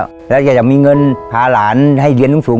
ผมอยากจะช่วยเปลี่ยนเบาพาระให้ปลูกอะผมจะโยมเหนื่อยทุกอย่าง